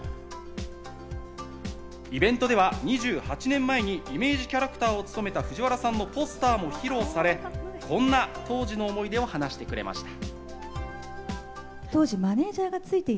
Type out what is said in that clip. イベントでは２８年前にイメージキャラクターを務めた藤原さんのポスターも披露され、こんな当時の思い出を話してくれました。